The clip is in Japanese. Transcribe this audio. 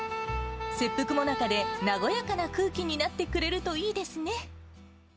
切腹最中で和やかな空気になってくれるといいですね。